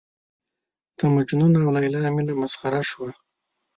د مجنون او لېلا مینه مسخره شوه.